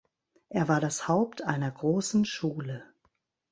Er war das Haupt einer großen Schule.